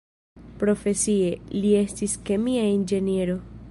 Profesie, li estis kemia inĝeniero.